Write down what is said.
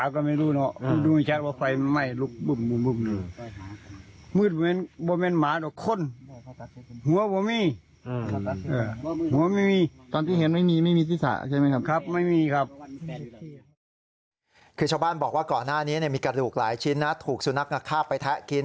คือชาวบ้านบอกว่าก่อนหน้านี้มีกระดูกหลายชิ้นนะถูกสุนัขคาบไปแทะกิน